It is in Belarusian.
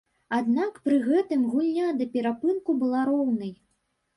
Аднак пры гэтым гульня да перапынку была роўнай.